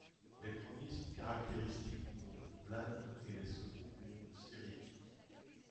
Les premiers sont caractéristiques d'une onde plane, et les seconds d'une onde sphérique.